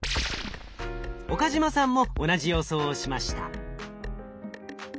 岡嶋さんも同じ予想をしました。